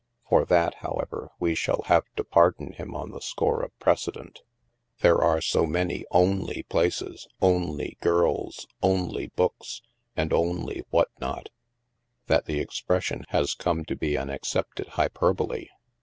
For that, how ever, we shall have to pardon him on the score of precedent. There are sq many "only" places, " only " girls, " only " books, and " only " what not, that the expression has come to be an accepted hjrperbole.